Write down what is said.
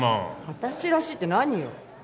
私らしいって何よ？